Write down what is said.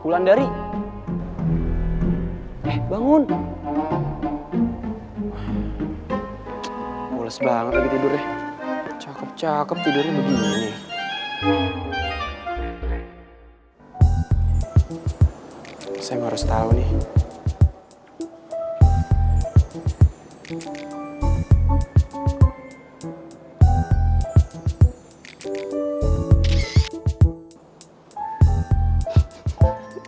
bulan dari eh bangun mulus banget tidurnya cakep cakep tidurnya begini saya harus tahu nih